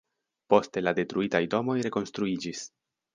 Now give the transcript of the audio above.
Poste la detruitaj domoj rekonstruiĝis.